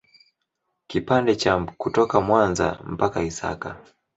Kipande cha kutoka Mwanza mpaka Isaka